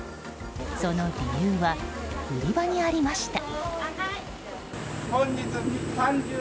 その理由は売り場にありました。